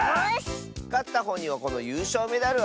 かったほうにはこのゆうしょうメダルをあげるよ！